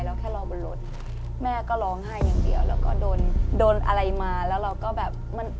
แค่รอบนรถแม่ก็ร้องไห้อย่างเดียวแล้วก็โดนโดนอะไรมาแล้วเราก็แบบมัน